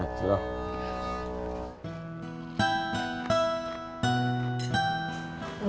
nope udah mau